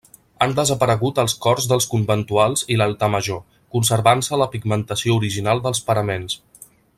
Han desaparegut els cors dels conventuals i l'altar major, conservant-se la pigmentació original dels paraments.